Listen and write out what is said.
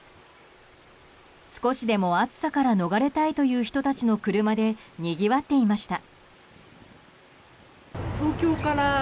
少しでも暑さから逃れたいという人たちの車でにぎわっていました。